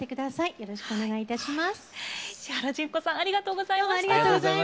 よろしくお願いします。